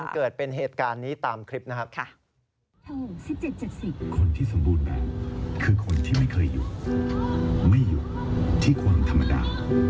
คนที่ไม่เคยอยู่ไม่อยู่ที่ความธรรมดา